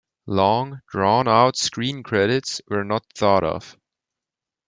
Long, drawn out screen credits were not thought of.